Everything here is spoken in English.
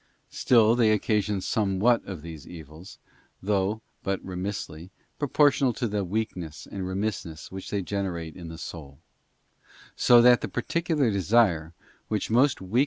Still they occasion somewhat of these evils, though but remissly, proportional to that weakness and remissness which they generate in the soul; so that the particular desire which most weakens the CHAP.